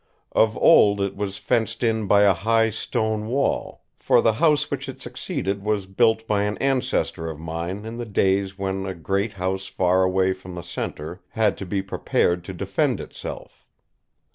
Of old it was fenced in by a high stone wall, for the house which it succeeded was built by an ancestor of mine in the days when a great house far away from a centre had to be prepared to defend itself.